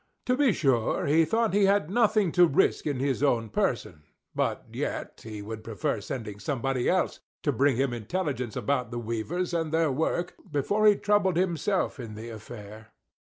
To be sure, he thought he had nothing to risk in his own person; but yet, he would prefer sending somebody else, to bring him intelligence about the weavers, and their work, before he troubled himself in the affair.